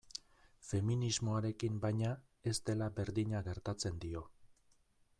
Feminismoarekin, baina, ez dela berdina gertatzen dio.